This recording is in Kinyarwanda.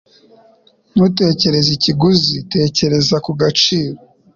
Ntutekereze ikiguzi. Tekereza ku gaciro.